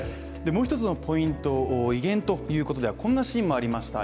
もう一つのポイント、威厳ということではこんなシーンもありました。